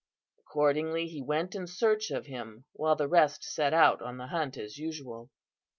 "Accordingly, he went in search of him, while the rest set out on the hunt as usual.